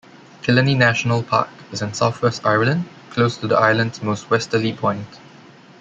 Killarney National Park is in southwest Ireland close to the island's most westerly point.